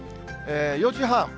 ４時半。